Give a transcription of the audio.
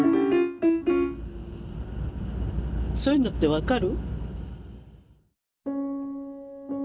そういうのって分かる？